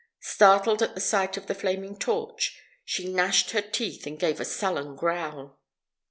Startled at the sight of the flaming torch, she gnashed her teeth and gave a sullen growl.